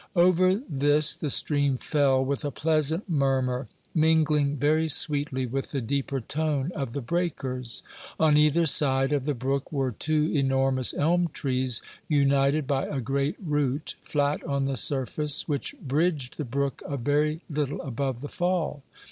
Over this the stream fell with a pleasant murmur, mingling very sweetly with the deeper tone of the breakers. On either side of the brook were two enormous elm trees, united by a great root, flat on the surface, which bridged the brook a very little above the fall.